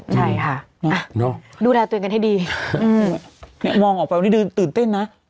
ใช่ค่ะดูแลตัวเองกันให้ดีเนี่ยมองออกไปวันนี้เดินตื่นเต้นนะ